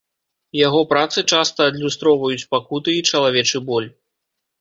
Яго працы часта адлюстроўваюць пакуты і чалавечы боль.